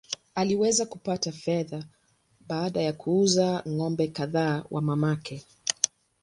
Aliweza kupata fedha baada ya kuuza ng’ombe kadhaa wa mamake.